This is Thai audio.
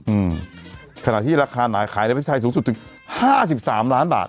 อืมขณะที่ราคานายขายในประเทศไทยสูงสุดถึง๕๓ล้านบาท